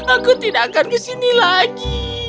aku tidak akan ke sini lagi